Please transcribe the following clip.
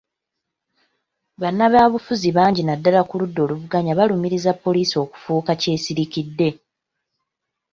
Bannabyabufuzi bangi naddala ku ludda oluvuganya balumirizza poliisi okufuuka kyesirikidde.